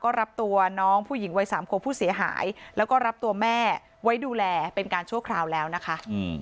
ก็รับตัวน้องผู้หญิงวัยสามควบผู้เสียหายแล้วก็รับตัวแม่ไว้ดูแลเป็นการชั่วคราวแล้วนะคะ